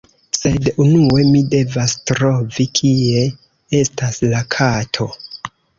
Sed unue mi devas trovi kie estas la kato